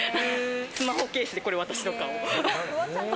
スマホケースで、これ私の顔。